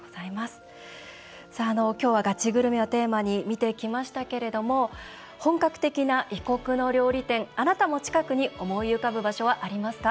今日はガチグルメをテーマに見てきましたけど本格的な異国の料理店あなたも近くに思い浮かぶ場所はありますか？